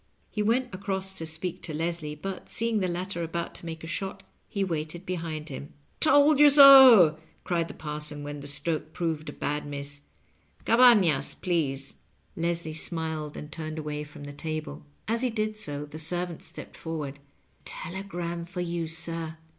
He went across to speak to Leslie, but, seeing the latter about to make a shot, he vira ited behind him. " Told you so !" cried the parson, when the stroke proved a bad miss. "Oabafiias, please." Leslie smiled Digitized by VjOOQIC LOYB AND LWHTmNQ. 217 and turned away from the table* As he did so, the serv ant stepped forward* " A telegram for you, sir.